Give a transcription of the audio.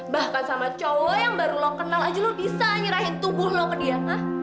bahkan sama cowok yang baru lo kenal aja lo bisa nyerahin tubuh lo ke dia nga